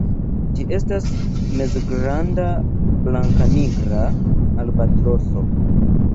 Ĝi estas mezgranda blankanigra albatroso.